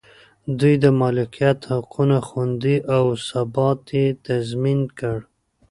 دوی د مالکیت حقونه خوندي او ثبات یې تضمین کړ.